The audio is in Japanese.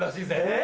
え！